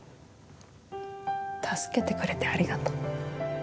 助けてくれてありがとう。